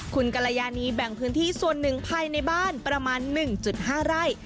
คุณกรยานีแบ่งพื้นที่ส่วนหนึ่งภายในบ้านประมาณ๑๕ไร่